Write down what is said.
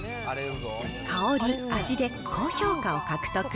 香り、味で高評価を獲得。